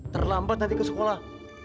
terlambat nanti ke sekolah